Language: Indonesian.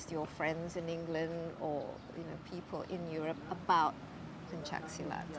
setelah kamu bergabung dan menjadi pencari pencaksilat